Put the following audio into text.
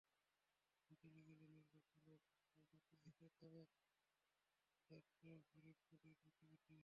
বিকেলে গেলে মিলবে ছোলা, বুট, মুড়ি পেঁয়াজু, কাবাব, চপসহ হরেক পদের নাশতা।